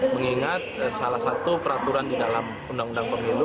mengingat salah satu peraturan di dalam undang undang pemilu